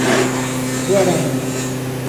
Guarani